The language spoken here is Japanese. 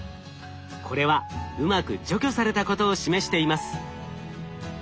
これはうまく除去されたことを示しています。